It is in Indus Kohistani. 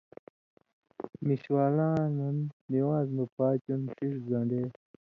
میشوالاں دن نِوان٘ز مہ پاتیوں ݜِݜ گن٘ڈے